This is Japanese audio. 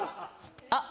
あっ。